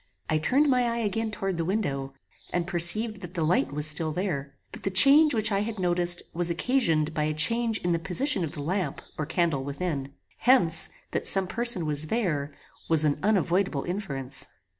I turned my eye again toward the window, and perceived that the light was still there; but the change which I had noticed was occasioned by a change in the position of the lamp or candle within. Hence, that some person was there was an unavoidable inference.